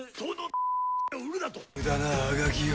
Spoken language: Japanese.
無駄なあがきを。